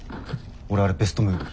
俺あれベストムービー。